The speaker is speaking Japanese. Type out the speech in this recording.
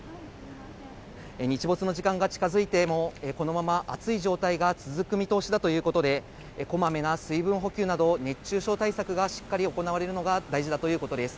日没の時間が近づいても、このまま暑い状態が続く見通しだということで、こまめな水分補給など、熱中症対策がしっかり行われるのが大事だということです。